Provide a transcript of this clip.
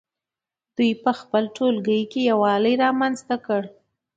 دوی په خپل ټولګي کې یووالی رامنځته کړ.